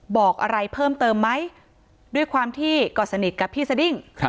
บอกอะไรเพิ่มเติมไหมด้วยความที่ก็สนิทกับพี่สดิ้ง